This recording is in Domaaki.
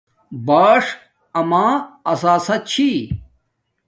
باؑݽ اما اساسہ چھی